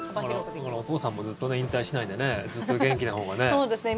だから、お父さんもずっと引退しないでねずっと元気なほうがね。